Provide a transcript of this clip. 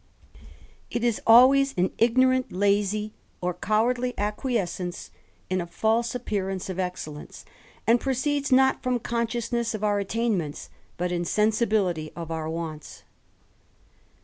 It is always ; ignorant, lazy, or cowardly acquiescence in a false appeai^^^' j ance of excellence, and proceeds not from consciousnes of our attainments, but insensibility of our wants.